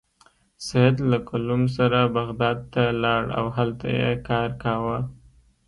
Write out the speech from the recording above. سید له کلوم سره بغداد ته لاړ او هلته یې کار کاوه.